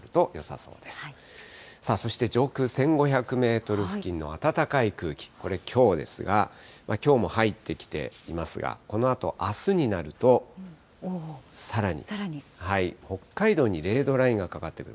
そして上空１５００メートル付近の暖かい空気、これ、きょうですが、きょうも入ってきていますが、このあと、あすになると、さらに北海道に０度ラインがかかってくる。